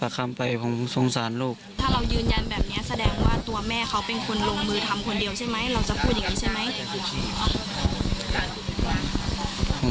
เราจะพูดอย่างนั้นใช่ไหม